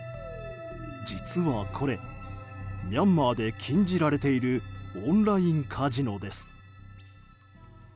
実は、これミャンマーで禁じられているオンラインカジノです。